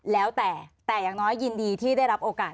แล้วแต่แต่อย่างน้อยยินดีที่ได้รับโอกาส